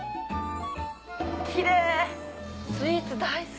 きれい。